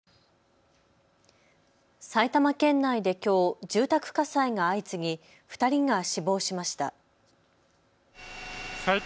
埼玉県内できょう住宅火災が相次ぎ２人が死亡しました。